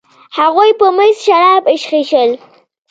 هغوی په میز شراب ایشخېشل.